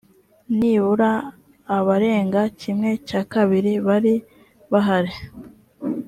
nibura abarenga kimwe cya kabiri bari bahari